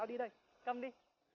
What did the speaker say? tao đi đây cầm đi